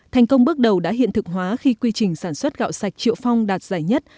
thành công bước đầu đã hiện thực hóa khi quy trình sản xuất gạo sạch triệu phong đạt giải nhất